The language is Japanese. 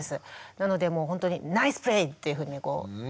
なのでもうほんとにナイスプレー！っていうふうにこうあの。